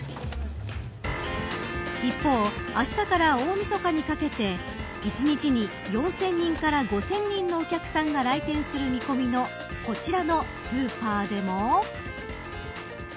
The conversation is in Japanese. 一方、あしたから大みそかにかけて１日に４０００人から５０００人のお客さんが来店する見込みのこちらのスーパーでも。